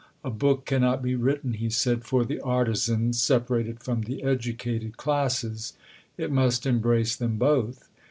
"A book cannot be written," he said, "for the Artizans separated from the Educated classes; it must embrace them both.